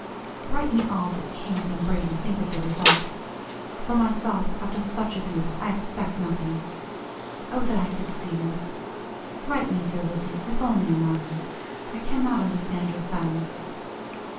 Write me all that Keyes and Brady think of the result. For myself, after such abuse, I expect nothing. Oh! that I could see you. Write me, dear Lizzie, if only a line; I cannot understand your silence.